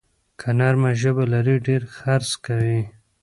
که نرمه ژبه لرې، ډېر خرڅ کوې.